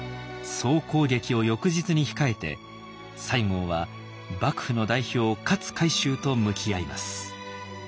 総攻撃を翌日に控えて西郷は幕府の代表勝海舟と向き合います。